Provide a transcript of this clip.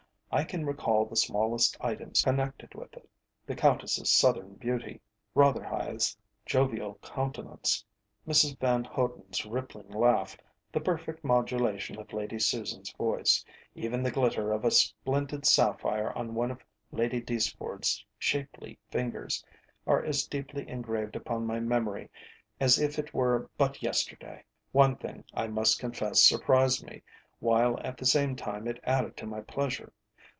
I can recall the smallest items connected with it. The Countess's Southern beauty, Rotherhithe's jovial countenance, Mrs Van Hoden's rippling laugh, the perfect modulation of Lady Susan's voice, even the glitter of a splendid sapphire on one of Lady Deeceford's shapely fingers, are as deeply engraved upon my memory as if it were but yesterday. One thing, I must confess, surprised me, while at the same time it added to my pleasure.